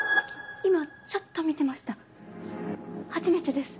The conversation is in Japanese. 今ちょっと見てました初めてです。